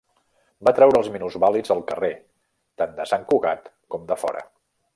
Va treure els minusvàlids al carrer, tant de Sant Cugat com de fora.